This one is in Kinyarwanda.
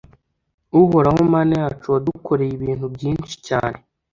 Uhoraho Mana yacu wadukoreye ibintu byinshi cyane